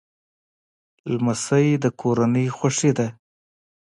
لمسی د کورنۍ خوښي ده.